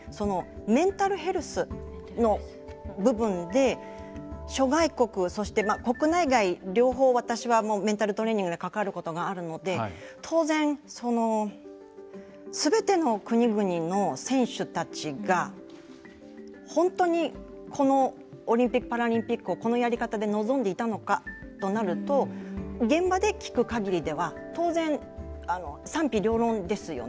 メンタルヘルスの部分で諸外国、そして国内外両方私はメンタルトレーニングで関わることがあるので当然、すべての国々の選手たちが本当に、このオリンピック・パラリンピックを、このやり方で望んでいたのかとなると現場で聞く限りでは当然賛否両論ですよね。